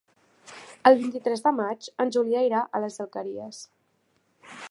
El vint-i-tres de maig en Julià irà a les Alqueries.